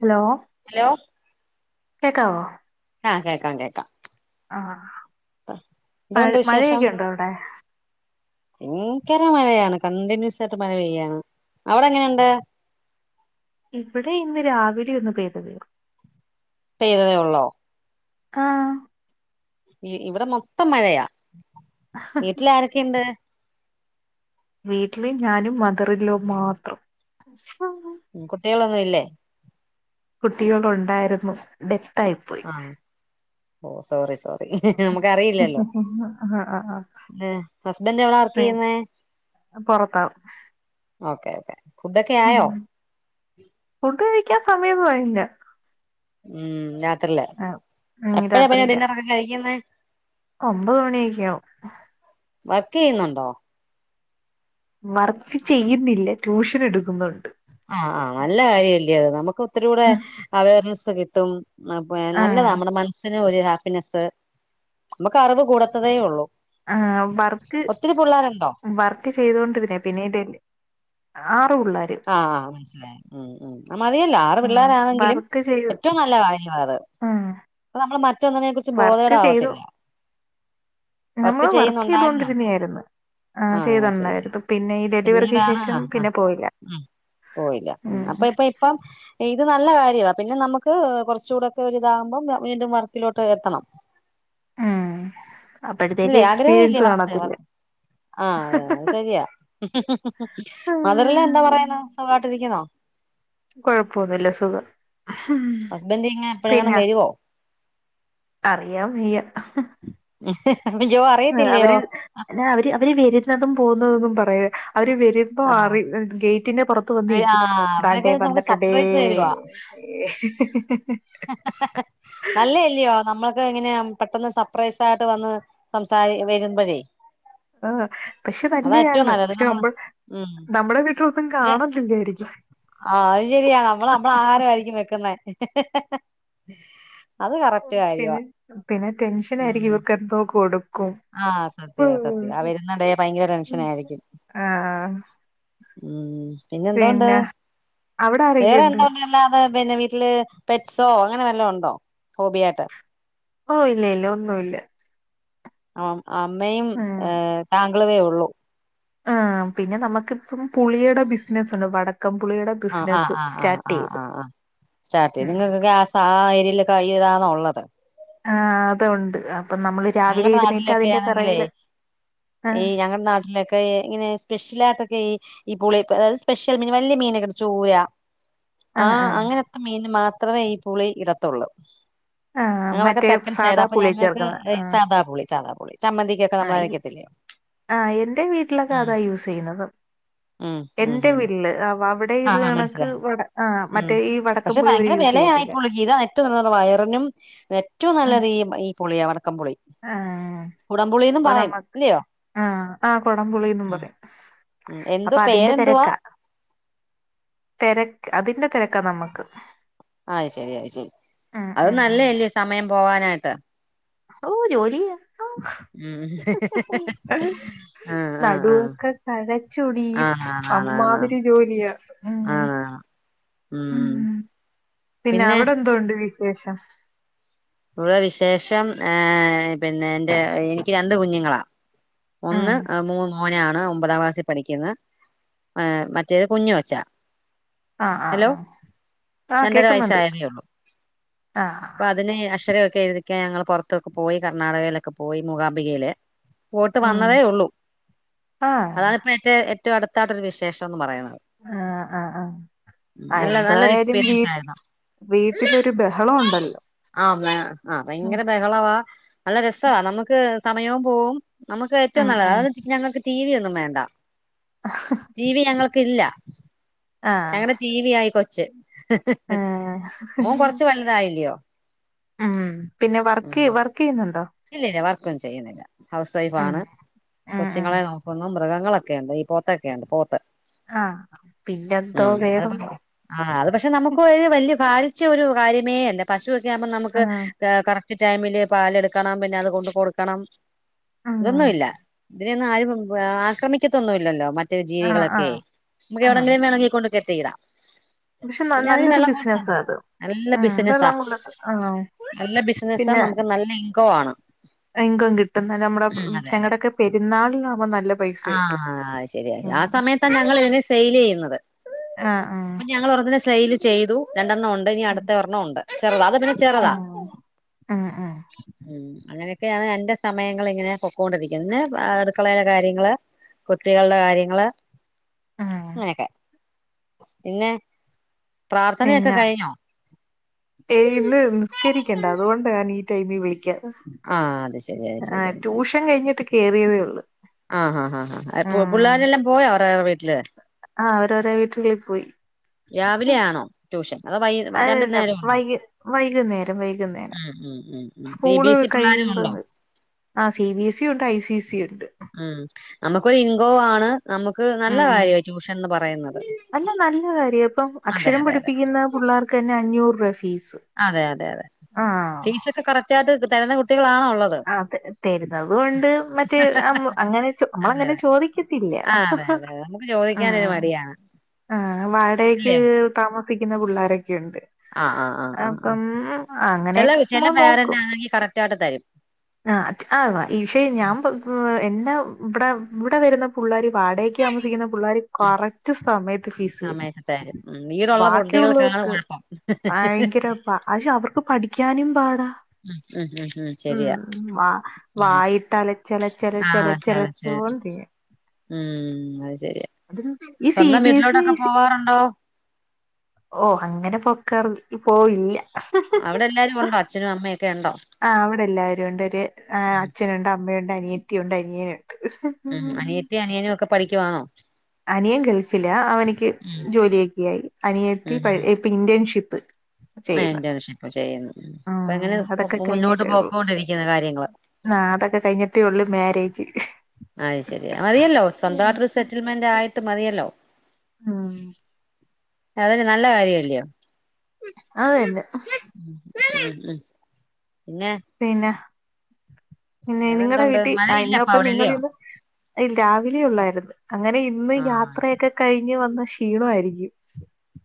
Hello hello കേക്കാവോ ആഹ് കേക്കാം കേക്കാം എന്തോണ്ട് ആഹ് മഴ വിശേഷം ഭയങ്കര മഴയാണ് കണ്ടിന്യൂസ് ആയിട്ട് മഴ പെയ്യാണ് അവിടെ എങ്ങനെയുണ്ട് ഇവിടെ ഇന്ന് രാവിലെ ഒന്ന് പെയ്തതെള്ളു പെയ്തതേ ഉള്ളോ ആഹ് ഇവിടെ മൊത്തം മഴയാ. വീട്ടിൽ ആരൊക്കെയുണ്ട് വീട്ടില് ഞാനും മദറ്ല്ലോ മാത്രം കുട്ടികളൊന്നും ഇല്ലേ കുട്ടികൾ ഉണ്ടായിരുന്നു ഡെത്ത് ആയിപ്പോയി ആഹ് സോറി സോറി നമുക്കറിയില്ലല്ലോ ആ ആ ആ ഹസ്ബന്റ് എവിട വർക്ക് ചെയ്യുന്നേ പുറത്താവും ഓക്കേ ഓക്കേ ഉം ഉം ഫുഡ് കഴിക്കാൻ സമയൊന്നും ആയില്ല ഉം രാത്രിലാ ഉം എപ്പഴാ പിന്നെ രാത്രിയില ഡിന്നറൊക്കെ കഴിക്കുന്നെ ഒമ്പത് മണിയൊക്കെയാവും വർക്ക് ചെയ്യുന്നുണ്ടോ വർക്ക് ചെയ്യുന്നില്ല ട്യൂഷൻ എടുക്കുന്നൊണ്ട് ആഹ് ആഹ് നല്ല കാര്യല്ലേ അത് നമുക്ക് ഒത്തിരി കൂടെ അവർനെസ്സ് കിട്ടും നല്ലതാണ് ആഹ് നമ്മുടെ മനസ്സിന് ഒരു ഹാപ്പിനെസ്സ് നമ്മുക്ക് അറിവ് കൂടാത്തതേ ഉള്ളൂ ആഹ് വർക്ക് ഒത്തിരി പിള്ളേരുണ്ടോ വർക് ക്ക് ചെയ്തോണ്ടിരുന്നയ പിന്നീട് ആറ് പുള്ളാര് ആഹ് ആഹ് മനസ്സിലായി ഉം ഉം മതിയല്ലൊ ആറ് ആ പിള്ളാരാണെങ്കിലും ഏറ്റവും നല്ല കാര്യവാ അത് ആഹ് അപ്പ നമ്മള് മറ്റൊന്നിനെ കുറിച്ചും ബോധേടാവത്തില്ല വർക്ക് നമ്മള് ചെയ്യുന്നുണ്ടായിരുന്നോ ചെയ്തൊണ്ടിരുന്നായിരുന്നു ആ ആഹ് ശരി ശരി ചെയ്തുണ്ടായിരുന്നു പിന്നെ ഈ ഡെലിവറിക്ക് പിന്നീടാണ് ശേഷം അഹ് ആഹ് പിന്നെ പോയില്ല ഉം പോയില്ല ഉം അപ്പൊ ഇപ്പൊ അപ്പം ഇത് നല്ല കാര്യവ പിന്നെ നമുക്ക് കുറച്ചുകൂടൊക്കെ ഒരിതാകുമ്പം വീണ്ടും വർക്കിലോട്ട് എത്തണം ഉം അപ്പഴത്തേക്ക് ഇല്ലേ ആഗ്രഹം ഇല്ലേ എക്സ്പീരിയൻസ് വർക്ക് കാണത്തില്ല വർക്ക് ആഹ് അത് ശരിയാ മതർല്ലൊ എന്ത പറയുന്നു സുകാട്ടിരിക്കുന്നോ? കുഴപ്പൊന്നുല്ല സുഖം. ഹസ്ബൻഡ് ഇങ്ങന എപ്പഴങ്ങാനും വരോ? അറിയാൻ വയ്യ. ജ അറിയത്തില്ലയോ. ന്ന അവര് അവര് വരുന്നതും പോകുന്നതൊന്നും പറയാ അവര് വരുന്ന ഇപ്പ ആഹ് അറി ഗേറ്റിന്റെ പുറത്ത് വന്നിക്കും. ആഹ് അവരൊക്കെ ഇതാണ്ടേ നമുക്ക് വന്നട്ടുണ്ടേ. സർപ്രൈസ് തരുവാ ഏ ഇല്ലോ നമ്മളക്ക ഇങ്ങനെ പെട്ടെന്ന് സർപ്രൈസ ആയിട്ട് വന്ന് സംസാരി വരിമ്പോഴേ ആ പക്ഷെ നല്ലയാണ്. നല്ലത് പക്ഷെ നമ്മള് നമ്മ ഉം നമ്മടെ വീട്ടിലൊന്നും കാണത്തില്ലായിരിക്കും. ആ അത് ശരിയാ നമ്മൾ നമ്മള ആഹാര ആയിരിക്കും വെക്കുന്നേ. പിന്നെ പിന്നെ ടെൻഷൻ ആയിരിക്കും, ഇവക്ക എന്തോ കൊടുക്കും. ആഹ സത്യ സത്യ ആ വരുന്ന ടെ ഭയങ്കര ടെൻഷന ആയിരിക്കും. ആഹ് പിന്നെ എന്തോണ്ട്, അവിടെ വേറെ ആരൊക്കെയുണ്ട് എന്തണ്ട് അല്ലാതെ പിന്നെ വീട്ടില് പെറ്റ്സോ അങ്ങന വല്ല ഉണ്ടോ, ഹോബി ആയിട്ട്. ഓ ഇല്ലേ ല്ല ഒന്നുല്ല. ആ അമ്മയും ഉം താങ്കളവേ ഉള്ളൂ. ആ പിന്നെ നമുക്ക് ഇപ്പം പുളിയുടെ ബിസിനസ്സ് ഉണ്ട്. വടക്കം പുളിയുടെ ബിസിനസ്സ് സ്റ്റാർട്ട് ചെയ്ത്. സ്റ്റാട്ട് [unintelligible] ആ എരില് [unintelligible] യതാണ് ഒള്ളത്. ആ അത ഉണ്ട്. അപ്പൊ നമ്മള് ഞങ്ങളടെ രാവിലെ എഴുന്നേറ്റ് നാട്ടിലൊക്കെ അതിന്റെ ആണെങ്കിലേ, പിറകില് ഈ ആഹ് ഞങ്ങളടെ നാട്ടിലൊക്കെ ക്കെ ഇങ്ങനെ സ്പെഷ്യലാട്ടൊക്കെ ഈ ഈ പുളി അത് സ്പെഷ്യൽ മീന് വല്യ മീന് ചൂര ആ ആഹ് ആഹ് അങ്ങനത്തെ മീന് മാത്രമേ ഈ പുളി ഇടത്തുള്ളൂ. ആഹ് ഞങ്ങളൊക്കെ മറ്റേ തെക്കൻ സൈഡ. സാദാ അപ്പൊ പുളിയെ ഞങ്ങൾക്ക് ചേർക്കുന്ന ആഹ് സാദാപുളി, സാദാപുളി ചമ്മന്തിക്കക്കെ ആ ആ എന്റെ വീട്ടിലൊക്കെ ഉം അതാ യൂസ് ചെയ്യുന്നത്. ഉം ഉം എന്റെ ഉം വീട്ടില് വ അവിടെയും, ആ മനസ്സിലായി മം പക്ഷെ വടക്കംപുളി അവര് ഭയങ്കര യൂസ് വിലയാ ചെയ്യത്തില്ല. പുളിക് [unintelligible] വയറിനും, ഏറ്റോം നല്ലത് ഈ ഈ പുളിയ വടക്കംപുളി. ആ കുടംപുളിയന്നും പറയും ഇല്ലയോ? ആഹ ആ കൊടംപുളിന്നും ഉം പറയും. ഉം അപ്പൊ എന്തോ അതിന്റെ പേരെന്തുവാ തിരക്കാ. തെരക്ക് അതിന്റെ തെരക്കാ നമുക്ക്. അയ് ശരി അയ്‌ ശരി. അത് ഉം ഉം നല്ലലേ സമയം പോവാനായിട്ട്. ഓ ജോലി ഉം പ്പോ ആഹ് ആഹ് ആഹ് നടുവൊക്കെ കഴചൊടിയും ആഹ് ആഹ് ആഹ് ആഹ് അമ്മാതിരി ജോലിയാ. മം ആഹ് ആഹ് ഉം പിന്ന പിന്നെ അവിടെ എന്തോ ഉണ്ട് വിശേഷം? ഇവ വിശേഷം ഏ പിന്നെ എന്റെ എനിക്ക് രണ്ട് കുഞ്ഞുങ്ങളാ. ഉം ഒന്ന് മൂ മോന ആണ് ഒമ്പതാം ക്ലാസ്സിൽ പഠിക്കുന്ന്‌. മറ്റേത് കുഞ്ഞുകൊച്ച. ആ ആ ആ ആ രണ്ടര കേൾക്കുന്നുണ്ട് ആ. ന്നേ അക്ഷരമൊക്കെ എഴുതിക്കാ ഞങ്ങൾ പുറത്തൊക്കെ പോയി. കർണാടകയിലൊക്ക പോയി, മുകാബികയില്. പോട്ട് ഉം വന്നതേ ഉള്ളൂ. ആഹ് അതാണ് ഇപ്പ ഏറ്റേ ഏറ്റവും അടുത്തായിട്ടൊരു വിശേഷം എന്ന് പറയുന്നത്. ആ ആഹ ആഹ നല്ല എന്തോ നല്ലൊരു ആയാലും എക്സ്പീരിയൻസ് വീട്ട് ആയിരുന്നു വീട്ടിലൊ ര് ബഹളം ഉണ്ടല്ലോ. ആ വ ആ ഉം ഭയങ്കര ബഹളവാ. നല്ല രസവാ നമുക്ക് സമയവും പോവും, നമുക്ക് ഏറ്റവും നല്ലത് ഉം അത. ഞങ്ങൾക്ക് ടി വി ഒന്നും വേണ്ട. ടി വി ഞങ്ങൾക്കില്ല. ആഹ് ഞങ്ങളടെ ടി വിയാ ഈ കൊച്ച്. ആഹ് മോൻ കൊറച്ച് വലുതായില്ലയോ. ഉം പിന്നെ ഉം വർക്ക് വർക്ക് ചെയ്യുന്നുണ്ടോ ഇല്ലില്ല വർക്കൊന്നും ചെയ്യുന്നില്ല ഹൗസ് വൈഫ് ഉം ആണ് ഉം ഉം കൊച്ചുങ്ങളെ നോക്കി ഒന്നും മൃഗങ്ങളൊക്കെ ഉണ്ട് ഈ പോത്തൊക്കെയുണ്ട് പോത്ത് ആഹ് പിന്നെന്തോ വേണം ഉംഅപ്പോ അത് പക്ഷെ നമുക്ക് വലിയ ബാരിച്ച ഒരു കാര്യമേ അല്ല പശുവൊക്കെ ആകുമ്പോ നമുക്ക് ഉം കറക്റ്റ് ടൈമിൽ പാലെടുക്കെ കറക്കണം പിന്നെ അത് കൊണ്ട് കൊടുക്കണം ഉം ഇതൊന്നുമില്ല ഇതിനൊന്നും ആരും ആക്രമിക്കത്തൊന്നുമില്ലല്ലോ മറ്റ മറ്റ് ആഹ് ജീവികളൊക്കെ ആഹ് നമുക്ക് ആഹ് എവിടെങ്കിലും വേണെങ്കിൽ കൊണ്ട് കെട്ടി യിടാം പക്ഷെ പിന്നെ അതിന് നല്ലൊരു വെള്ളം കൊടുത്താ ബിസിനസാ മതി അത് നല്ല ഉം ബിസിനസാ വെള്ളം കൊടുത്ത് ആഹ് നല്ല ബിസിനസ്സ നമുക്ക് നല്ല ഇൻകം ആണ് എങ്കും കിട്ടുന്ന നമ്മുടെ ഉം ഞങ്ങളുടെക്കെ പെരുന്നാളിലാവകുമ നല്ല പൈസ കിട്ടും ആഹ ശരിയാ ആ ഉം സമയത്താ ഞങ്ങ ഇതിനെ സെയിൽ ചെയ്യുന്നത് ആഹ ആഹ അപ്പൊ ഞങ്ങൾ ഒരണ്ണത്തിനെ സെയിൽ ചെയ്തു രണ്ടെണ്ണം ഉണ്ട് ഇനി ആഹ് അടുത്ത ഒരെണ്ണം ഉണ്ട് ചെറുതാ അത പിന്നെ ചെറുതാ ഉം ഉം ഉം ഉം അങ്ങനൊക്കെയാണ് എന്റെ സമയങ്ങൾ ഇങ്ങനെ പൊക്കൊണ്ടിരിക്കുന്നത് പിന്ന അടുക്കളയിലെ കാര്യങ്ങള് കുട്ടികളുടെ കാര്യങ്ങള് ഉം അങ്ങനെയൊക്കെ പിന്നെ പ്രാർത്ഥനയൊക്കെ പിന്നെ കഴിഞ്ഞോ ഏയ് ഇന്ന് നിസ്കരിക്കേണ്ട അതുകൊണ്ടാണി ഈ ടൈമിൽ വിളിക്ക ആഹ് അത്ശെരി അശെരിയാ അത് ശെരിയാ കഴിഞ്ഞിട്ട് കേറിയതേ ഉള്ളു. ആഹ് ആഹ് പിള്ളോരെല്ലാം പോയാ അവറേറെ വീട്ടിൽ ആഹ് അവരോരേ വീട്ടുകളിൽ പോയി. രാവിലെ ആണോ? ട്യൂഷൻ അതോ വൈ രണ്ടു അല്ല നേരം ഉണ്ടോ വൈക വൈകുന്നേരം വൈകുന്നേരം ഉം ഉം ഉം ഉം C B school S E പിള്ളേരും ഉണ്ടോ കഴിയുമ്പോൾ, ആ സി ബി എസ് സി ഉണ്ട് ഐ സി സി യും ഉണ്ട്. ഉം, നമുക്കൊരു ഇൻകം ആണ്, നമുക്ക് നല്ല ഉം കാര്യമാ ട്യൂഷൻ എന്ന് പറയുന്നത്. നല്ല കാര്യം ഇപ്പം അതെ അക്ഷരം അതെ അതെ പഠിപ്പിക്കുന്ന പിള്ളേർക്ക് തന്നെ അഞ്ഞൂറ് രൂപ ഫീസ്. അതെ അതെ അതെ ആ ഫീസ് ഒക്കെ കറക്റ്റ് ആയിട്ട് തരുന്ന കുട്ടികളാണോ ഉള്ളത് ആഹ് തരുന്നതുണ്ട് മറ്റേ അങ്ങനെ അതെ നമ്മളങ്ങനെ അതെ ചോദിക്ക ത്തില്ല. ആഹ് അതെ അതെ നമുക്ക് ചോദിക്കാനൊരു ആഹ് മടിയാണ് ആഹ് വാടകക്ക് ഇല്ലയോ താമസിക്കുന്ന പിള്ളോരൊക്കെ ഉണ്ട്. ആഹ് ആഹ് ആഹ് ആഹ് ആഹ് അപ്പം അങ്ങനെയൊക്കെ നമ്മള് നോക്കും. കറക്റ്റായിട്ട് തരും. ആഹ് ആഹ് ഈഷയ ഉം ഞാൻ എന്നെ ഇവിടെ ഇവിടെ വരുന്ന പിള്ളേർ വാടകക്ക് താമസിക്കുന്ന പിള്ളേർ കറക്റ്റ് സമയത്ത് ഫീസ് തരും. സമയത്ത് തരും ഉം വീടുള്ള കുട്ടികൾക്കാണ് കൊഴപ്പം. പക്ഷേ അവർക്ക് പഠിക്കാനും പാടാ. ഉം ഉം ഉം ഉം ശരിയാ. വ ഉം വായിട്ട് അലച്ചലച്ചലച്ച ആഹ് ചെല ചെ ചലച്ചലച്ചോണ്ടിരിക്കാ. ഉം അത് ശരിയാ അതൊരു ഈ സി സ്വന്തം ബി എസ് വീട്ടിലോട്ടൊക്കെ ഇ പോവാറുണ്ടോ ഓഹ് അങ്ങനെ പൊക്കാറു പോയി. അവിടെ എല്ലാരും ഉണ്ടോ? അച്ഛനും അമ്മയൊക്കെ ഉണ്ടോ? ആഹ് അവിടെ എല്ലാരുണ്ട് ഉം അച്ഛനുണ്ട് അമ്മയുണ്ട് അനിയത്തിയുണ്ട് അനിയനുണ്ട്. ഉം അനിയത്തിം അനിയനും ഒക്കെ പഠിക്കുവാണോ? അനിയൻ ഗൾഫിലാ അവന്ക്ക് ഉം ജോലിയൊക്കെയായി അനിയത്തി ഉം ഉം ഇപ്പോ ഇന്റേൺഷിപ്പ്. ആഹ്, ചെയ്യുന്നു എന്റേൺഷിപ്പ് ചെയ്യുന്നു. ഇപ്പോ എങ്ങനെ ആഹ് അതൊക്കെ മുന്നോട്ട് കഴിഞ്ഞിട്ടേ ഉള്ളൂ പോക്കോണ്ടിരിക്കുന്ന കാര്യങ്ങള് ആഹ് അതൊക്കെ കഴിഞ്ഞിട്ടേ ഉള്ളൂ മാരേജ്. അത് ശെരിയ മതിയല്ലോ ഉം സ്വന്തായിട്ടൊരു സെറ്റിൽമെന്റ് ആയിട്ട് മതിയല്ലോ. ആഹ് അതൊരു നല്ല കാര്യംല്ലയോ. അത് തന്നെ. പിന്നെ പിന്നെ പിന്നെ നിങ്ങളടെ വേറെന്തുണ്ട് വീട്ടിൽ മഴയില്ല അപ്പൊ അയിന്റൊപ്പം അവിടെല്ലയോ നിങ്ങളിന്ന് അഹ് രാവിലെള്ളായിരുന്നു, അങ്ങനെ ഇന്ന് ആഹ് ശരി യാത്രയൊക്കെ കഴിഞ്ഞ് വന്ന ക്ഷീണയിരിക്കും.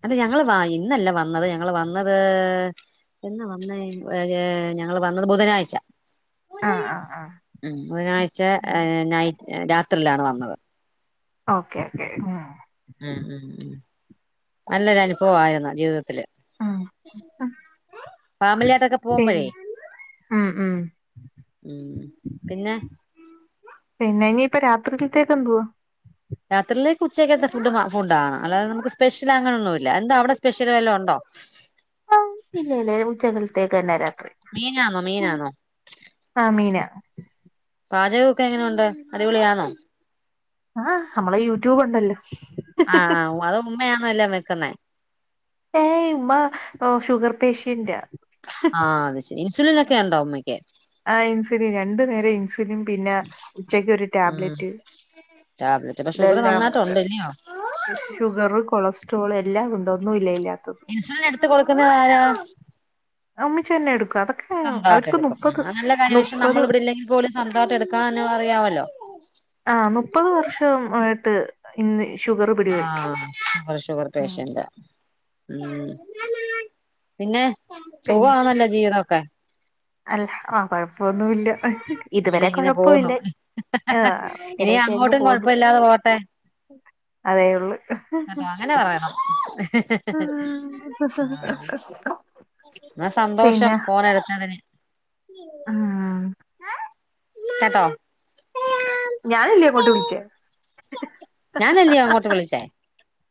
അത് ഞങ്ങള് വാങ്ങി ഇന്നല്ല വന്നത് ഞങ്ങള് വന്നത്. എന്നാ വന്നേ? ഏ ഞങ്ങള് വന്നത് ബുധനാഴ്ച്ച ആഹ് ആഹ് ആഹ് ഉം ബുധനാഴ്ച നൈറ്റ് രാത്രിയിലാണ് വന്നത്. ഓക്കേ ഓക്കേ ആഹ് ഉം ഉം നല്ലൊരു അനുഭവായിരുന്നു ജീവിതത്തില് ആ ഫാമിലിയായിട്ടൊക്കെ പിന്നെ പോകുമ്പോഴേ ഉ ഉ ഉം പിന്നെ പിന്നെ ഇനിയിപ്പൊ രാത്രികത്തേക്ക് എന്തുവാ. രാത്രിയിൽ ഉച്ചയ്ക്കത്ത ഫുഡ് ഫുഡാണ് അല്ലാതെ നമുക്ക് സ്പെഷ്യൽ അങ്ങനൊന്നുല്ല എന്താ അവിടെ സ്പെഷ്യൽ വല്ലോ ഉണ്ടോ? ഇല്ല ഇല്ല ഉച്ചകൽതേക്കന്നെരാ മീനാണോ മീനാണോ. ആ മീന പാചകമക്കെ എങ്ങനെുണ്ട്ോ അടിപൊളിയാന്നോ ആഹ് നമ്മളെ യൂട്യൂബ് ഉണ്ടല്ലോ ആഹ അത് ഉമ്മയാന്ന്എല്ലാം വെക്കുന്നേ ഏയ് ഉമ്മ ഷുഗർ പേഷ്യന്റ് ആഹ് അത് ശരി ഇൻസുലിൻ ഒക്കെ ഉണ്ടോ ഉമ്മയ്ക്ക് ആ ഇൻസുലിൻ രണ്ടു നേരം ഇൻസുലിൻ പിന്നെ ചെക്ബ ഉം ടാബ്ലറ്റ്അപ്പൊ ഷുഗർ ഇതെല്ലാം നന്നായിട്ട് ഉണ്ട് ഉണ്ട്അല്ലയോ ഷുഗർ കൊളസ്ട്രോൾ എല്ലാം ഉണ്ട് ഒന്നും ഇഇല്ലാത്തത് ഇൻസുലിൻ എടുത്ത് കൊടുക്കുന്നത് ആാരാ ഉമ്മച്ചി തന്നെ എടുക്കും അതൊക്കെ സ്വന്തമായിട്ട് അവർക്ക് എടുക്കും മുപ്പത് അത് നല്ല കാര്വക മുപ്പത് നമ്മൾ ഇവിടെ ഇല്ലെങ്കിൽ പോലും സ്വന്തമായിട്ട് എടുക്കാനറിയാലോ അറിയാമല്ലോ ആ മുപ്പത് വർഷ ആയിട്ട് ഇന്ന് ഷുഗർ പിടിപെട്ടു ആ ശുവർ ശുവർ പേഷ്യന്റ ഉം പിന്നെ പിന്നെ സുഖമാണന്നല്ലോ ജീവിതമൊക്കെ അല്ല ആഹ കൊയപ്പമൊന്നില്ല ഇങ്ങനെ ഇതുവരെ ഇങ്ങനെ പോകുന്നു കൊഴപ്പമില്ല ആ ഇനി അങ്ങനെയൊക്കെഅങ് അങ്ങോട്ടും പോന്നു കൊഴപ്പമില്ലാതെ പോട്ടെ അതേ ഉള്ളു കേട്ടോ അങ്ങനെ പറയണം ആ എന്നാ സന്തോഷം ഫോണ് എടുത്തതിന് ആഹ കേട്ടോ ഞാനല്ലേ അങ്ങോട്ട് വിളിച്ചേ ഞാനല്ലേ അങ്ങോട്ട് വിളിച്ചേ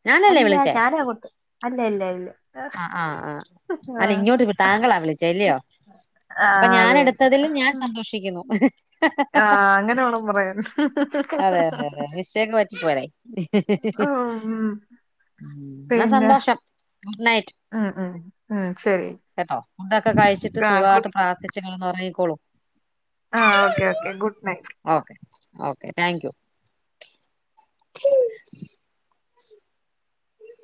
ഞാനല്ലേ അല്ല വിളിച്ചേ ഞാനാ അങ്ങോട്ട് അല്ല അല്ലേ അല്ലേ ആ് ആ് ആ് അല്ല ഇങ്ങോട്ട് താങ്കളാ വിളിച്ച അല്ലയോ അപ്പൊ ആഹ് ഞാൻ അത് തന്നെ എടുത്തതിലും ഞാൻ സന്തോഷിക്കുന്നു ഹം അതെ ഹം അതെ അതെ മിസ്റ്റേക്ക് പറ്റി പോയി ഉം ഇന്നാസന്തോഷം ഗുഡ് നൈറ്റ് അങ്ങനെ തന്നെ ആഹ് ശെരി. കേട്ടോ ഫുഡോക്കെ കഴിച്ചിട്ട് സുഖാട്ട് പ്രാർത്ഥിച്ച് കിടന്ന് ഉറങ്ങിക്കോളൂ. ആഹ okay okay good night. Okay okay thank you.